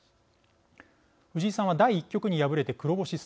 藤井さんは第１局に敗れて黒星スタート。